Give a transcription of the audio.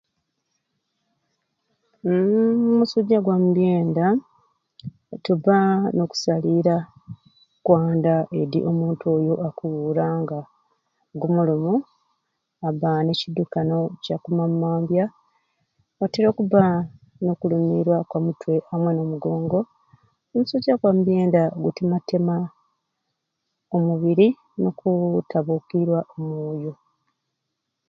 Uumm omusujja gwa mu byenda tuba n'okusaliira kwa nda edi omuntu oyo akuwura nga gumulumu abba ne kidukano Kya ku mamambya atera okubba n'okulumiira kwa mutwe amwe n'omugongo omusujja gwa mu byenda gutematema omubiri n'okuutabuukiirwa omwoyo.